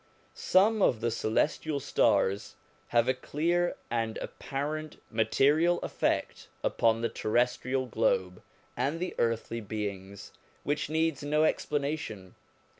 Some of the celestial stars have a clear and apparent material effect upon the terrestrial globe and the earthly beings, which needs no explanation.